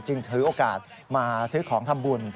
ถือโอกาสมาซื้อของทำบุญ